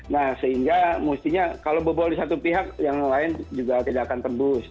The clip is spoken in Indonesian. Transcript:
nah sehingga mestinya kalau bebol di satu pihak yang lain juga tidak akan tebus